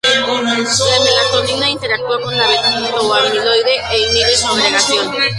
La melatonina interactúa con la beta-amiloide e inhibe su agregación.